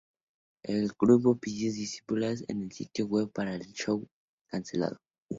El grupo pidió disculpas en su sitio web para tener el show cancelado.